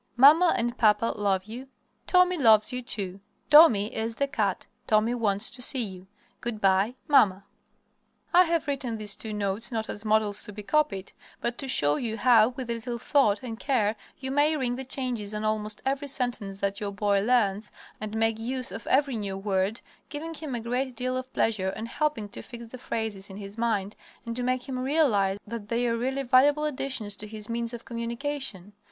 Mamma and Papa love you. Tommy loves you, too. Tommy is the cat. Tommy wants to see you. "Good by. MAMMA." I have written these two notes not as models to be copied, but to show you how with a little thought and care you may ring the changes on almost every sentence that your boy learns; and make use of every new word, giving him a great deal of pleasure and helping to fix the phrases in his mind and to make him realize that they are really valuable additions to his means of communication.